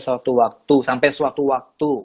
suatu waktu sampai suatu waktu